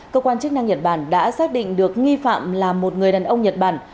cơ quan chức năng nhật bản đã xác định được nghi phạm là một người đàn ông nhật bản